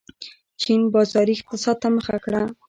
چین بازاري اقتصاد ته مخه کړه.